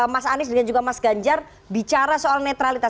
mas anies dan juga mas ganjar bicara soal netralitas